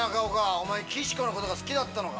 お前岸子のことが好きだったのか。